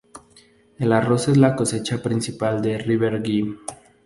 El arroz es la cosecha principal en River Gee.